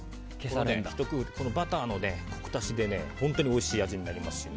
バターのコク足しで本当においしい味になりますし。